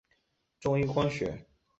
中一光学。